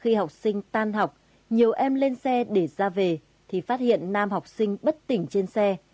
khi học sinh tan học nhiều em lên xe để ra về thì phát hiện nam học sinh bất tỉnh trên xe